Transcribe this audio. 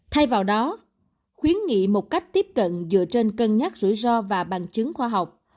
thay vào đó khuyến nghị một cách tiếp cận dựa trên cân nhắc rủi ro và bằng chứng khoa học